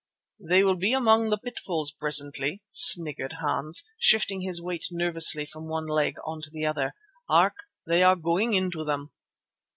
"They will be among the pitfalls presently," sniggered Hans, shifting his weight nervously from one leg on to the other. "Hark! they are going into them."